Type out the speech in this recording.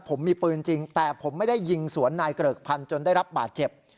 ผมมีปืนจริงแต่ผมไม่ได้ยิงสวนนายเกริกพันธ์จนได้รับบาดเจ็บ